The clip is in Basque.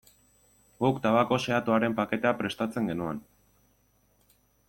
Guk tabako xehatuaren paketea prestatzen genuen.